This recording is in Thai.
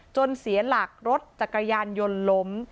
เสียหลักรถจักรยานยนต์ล้ม